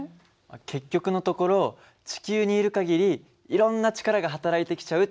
結局のところ地球にいる限りいろんな力がはたらいてきちゃうって事だね。